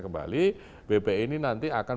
kembali bp ini nanti akan